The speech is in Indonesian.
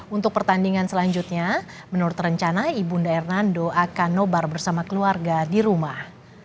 untuk pertandingan selanjutnya menurut rencana ibu nda hernando akan nobar bersama keluarga di rumah